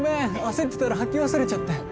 焦ってたらはき忘れちゃって。